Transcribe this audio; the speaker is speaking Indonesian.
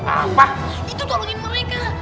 apa itu tolongin mereka